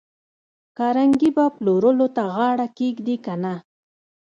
کارنګي به پلورلو ته غاړه کېږدي که نه